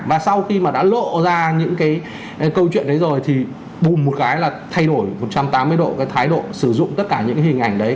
và sau khi mà đã lộ ra những cái câu chuyện đấy rồi thì bùm một cái là thay đổi một trăm tám mươi độ cái thái độ sử dụng tất cả những cái hình ảnh đấy